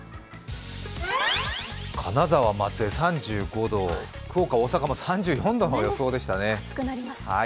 金沢、松江、３５度福岡、大阪も３５度、すごい予想でしたね。